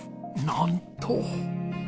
なんと！